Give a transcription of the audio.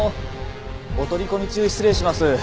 お取り込み中失礼します。